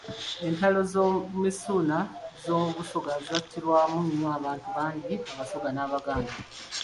Entabaalo z'oku Misuuna ez'omu Busoga zattirwamu nnyo abantu bangi Abasoga n'Abaganda.